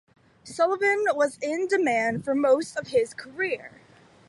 Sullivan was in demand for the most of his career.